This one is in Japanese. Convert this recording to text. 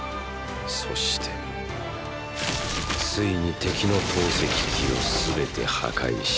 そしてーーついに敵の投石機を全て破壊した。